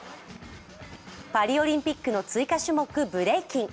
パリオリンピックの追加種目ブレイキン。